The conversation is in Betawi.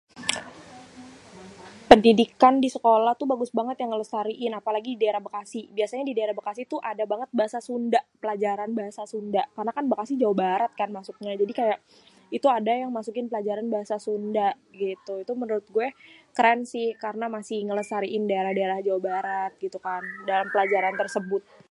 Pendidikan di sekolah tuh bagus banget yang ngelestariin, apalagi di daerah Bekasi. Biasanya di daerah Bekasi tuh ada banget bahasa Sunda, pelajaran bahasa Sunda. Karena kan Bekasi Jawa Barat kan masuknya. Jadi kayak itu ada yang masukin pelajaran bahasa Sunda, gitu. Itu menurut gue keren sih karena masih ngelestariin daerah-daerah Jawa Barat gitu kan dalam pelajaran tersebut.